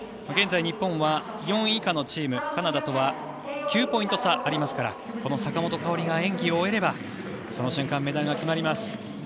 現在、日本は４位以下のチームカナダとは９ポイント差ありますからこの坂本花織が演技を終えればその瞬間、メダルが決まります。